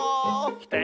きたよ